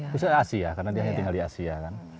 misalnya asia karena dia hanya tinggal di asia